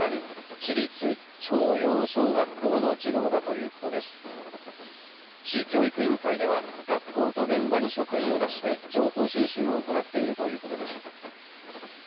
市教育委員会では、学校と現場に職員を出して、情報収集を行っているということです。